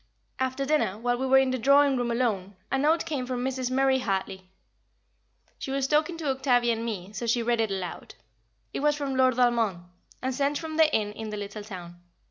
After dinner, while we were in the drawing room alone, a note came for Mrs. Murray Hartley. She was talking to Octavia and me, so she read it aloud; it was from Lord Valmond, and sent from the inn in the little town.